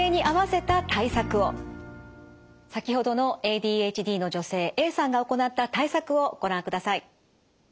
先ほどのＡＤＨＤの女性Ａさんが行った対策をご覧ください。